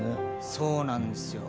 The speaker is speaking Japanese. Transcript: そうなんすよ。